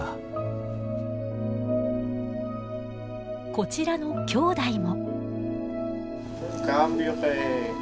こちらの兄弟も。